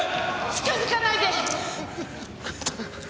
近づかないで！